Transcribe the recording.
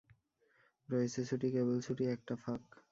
রয়েছে ছুটি, কেবল ছুটি, একটা ফাঁক।